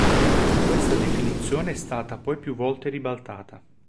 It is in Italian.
Questa definizione è stata poi più volte ribaltata.